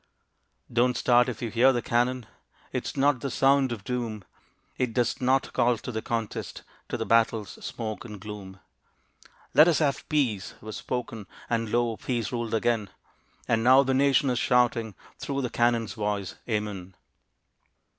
Don't start if you hear the cannon, It is not the sound of doom, It does not call to the contest To the battle's smoke and gloom. "Let us have peace," was spoken, And lo! peace ruled again; And now the nation is shouting, Through the cannon's voice, "Amen."